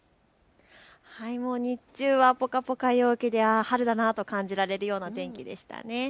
日中はぽかぽか陽気で春だなと感じられるような天気でした。